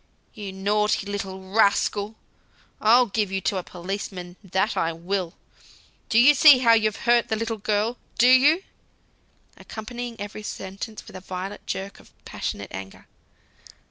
"You naughty little rascal! I'll give you to a policeman, that I will! Do you see how you've hurt the little girl? Do you?" accompanying every sentence with a violent jerk of passionate anger.